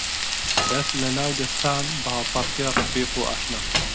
دەس لە ناو دەستان، بە هەڵپەڕکێ ڕەفیق و ئاشنا